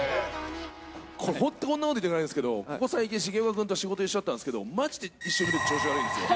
これ本当、こんなこと言いたくないんですけど、ここ最近、重岡君と仕事一緒だったんですけど、まじで一緒にいると調子悪いんですよ。